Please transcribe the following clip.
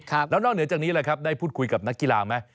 แล้วนอกเหนือจากนี้แหละครับได้พูดคุยกับนักกีฬาไหม